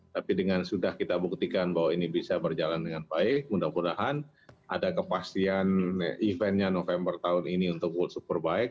tapi dengan sudah kita buktikan bahwa ini bisa berjalan dengan baik mudah mudahan ada kepastian eventnya november tahun ini untuk world superbike